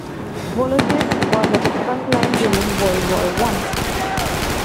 Volochysk was at the front line during World War One.